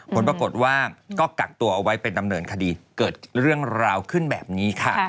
ผลปรากฏว่าก็กักตัวเอาไว้เป็นดำเนินคดีเกิดเรื่องราวขึ้นแบบนี้ค่ะ